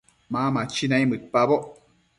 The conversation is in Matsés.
Ma machi naimëdpaboc